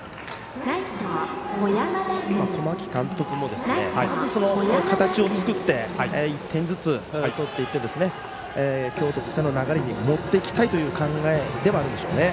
小牧監督も１つ、形を作って１点ずつ取っていって京都国際の流れに持っていきたいという考えではあるんでしょうね。